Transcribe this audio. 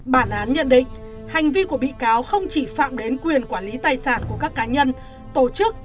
bản án nhận định hành vi của bị cáo không chỉ phạm đến quyền quản lý tài sản của các cá nhân tổ chức